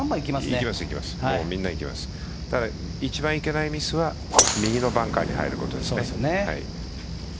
ただ、一番いけないミスは右のバンカーに入ることです。